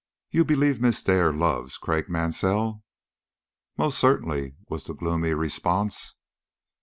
"You believe Miss Dare loves Craik Mansell?" "Most certainly," was the gloomy response.